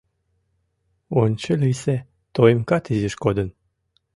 Ончылийысе тоимкат изиш кодын...